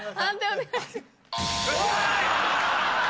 おい！